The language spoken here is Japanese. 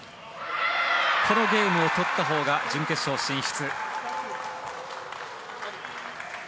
このゲームを取ったほうが準決勝進出。